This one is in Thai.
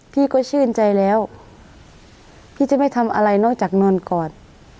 พี่ก็ชื่นใจแล้วพี่จะไม่ทำอะไรนอกจากนอนกอด